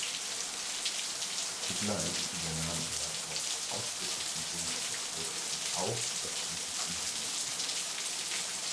Zugleich übernahm er auf ausdrücklichen Wunsch des Fürsten auch das Amt des Innenministers.